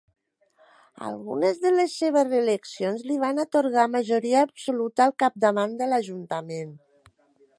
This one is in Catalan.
Algunes de les seves reeleccions li van atorgar majoria absoluta al capdavant de l'ajuntament.